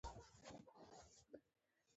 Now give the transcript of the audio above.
احمد شاه بابا به د ولس ستونزو ته ژر جواب ورکاوه.